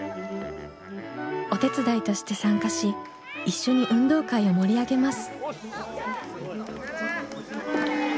お手伝いとして参加し一緒に運動会を盛り上げます。